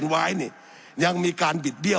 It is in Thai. สับขาหลอกกันไปสับขาหลอกกันไป